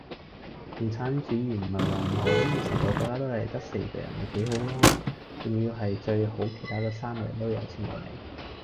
共產主義唔系話唔好，你成個國家都系得四個人咪幾好羅!仲要系最好其它嗰三個人都有錢過你!